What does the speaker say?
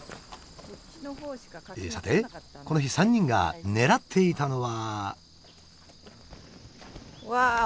さてこの日３人が狙っていたのは。